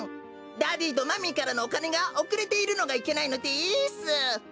ダディーとマミーからのおかねがおくれているのがいけないのです。